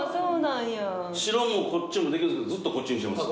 白もこっちもできるずっとこっちにしてます。